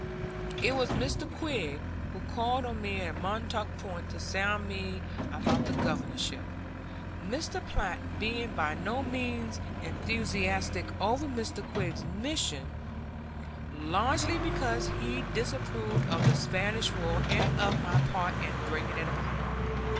It was Mr. Quigg who called on me at Montauk Point to sound me about the Governorship; Mr. Platt being by no means enthusiastic over Mr. Quigg's mission, largely because he disapproved of the Spanish War and of my part in bringing it about.